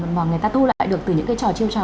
mà người ta thu lại được từ những cái trò chiêu trò